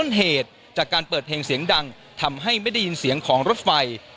เหตุจากการเปิดเพลงเสียงดังทำให้ไม่ได้ยินเสียงของรถไฟ